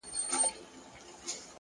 مثبت لید د ستونزو بڼه بدلوي,